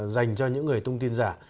dành cho những người thông tin giả